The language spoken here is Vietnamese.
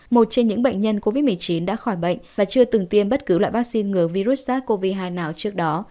một trong những bệnh nhân covid một mươi chín đã khỏi bệnh và chưa từng tiêm bất cứ loại vaccine ngừa virus sars cov hai nào trước đó